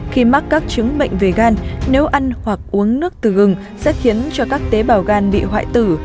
khi mắc các chứng bệnh về gan nếu ăn hoặc uống nước từ gừng sẽ khiến cho các tế bào gan bị hoại tử